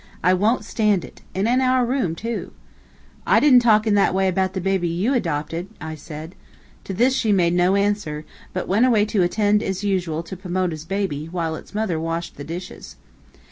I wont stand it. And in our room, too." "I didn't talk in that way about the baby you adopted," I said. To this she made no answer, but went away to attend, as usual, to Pomona's baby, while its mother washed the dishes.